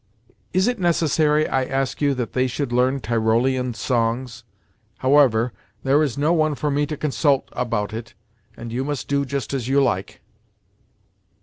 Is it necessary, I ask you, that they should learn Tyrolean songs? However, there is no one for me to consult about it, and you must do just as you like."